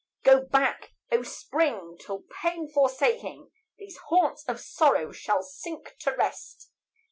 Go back, O spring! till pain, forsaking These haunts of sorrow, shall sink to rest.